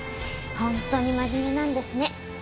本当に真面目なんですね。